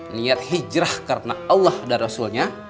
niat hijrah karena allah dan rasulnya